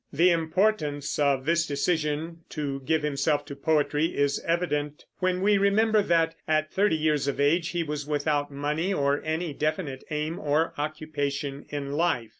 The importance of this decision to give himself to poetry is evident when we remember that, at thirty years of age, he was without money or any definite aim or occupation in life.